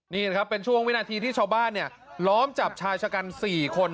นี่นะครับเป็นช่วงวินาทีที่ชาวบ้านเนี่ยล้อมจับชายชะกัน๔คน